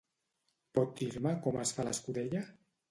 Pot dir-me com es fa l'escudella?